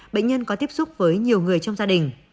bệnh nhân có tiếp xúc với nhiều người trong gia đình